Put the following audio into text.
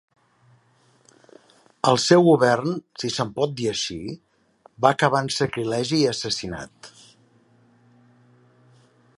El seu govern, si se'n pot dir així, va acabar en sacrilegi i assassinat.